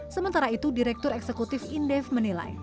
sementara itu direktur eksekutif indef menilai